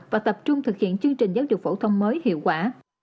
và tập trung thực hiện chương trình giáo dục phổ thông mới hiệu quả